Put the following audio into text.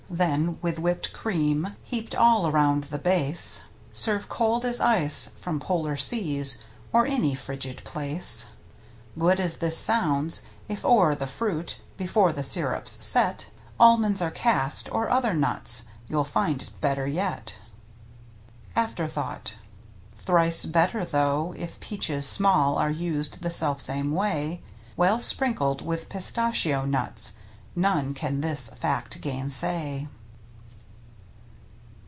Then, with whipped cream Heaped all around the base, wa M^StntXf Mtttipt$^ Serve cold as ice from Polar seas, Or any frigid place. Good as this sounds, if o'er the fruit, Before the sirup's " set," Almonds are cast, or other nuts. You'll find it better yet. AFTERTHOUGHT Thrice better, though, if peaches small Are used the self same way. Well sprinkled with pistachio nuts — None can this fact gainsay.